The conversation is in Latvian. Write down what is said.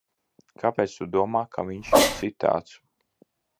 Kāpēc tu domā, ka viņš ir citāds?